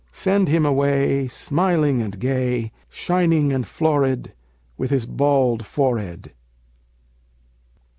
Send him away, Smiling and gay, Shining and florid, With his bald forehead!